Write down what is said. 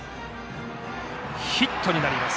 ヒットになります。